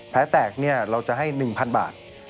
แพละแตกเนี่ยเราจะให้๑๐๐๐บาท